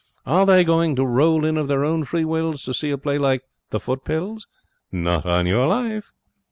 Are they going to roll in of their own free wills to see a play like The Footpills? Not on your life.